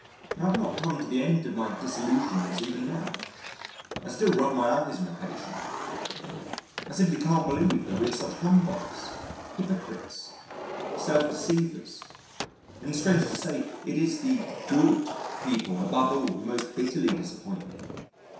I have not come to the end of my disillusions even now. I still rub my eyes on occasion. I simply can't believe that we are such humbugs, hypocrites, self deceivers. And strange to say it is the "good" people above all who most bitterly disappoint me.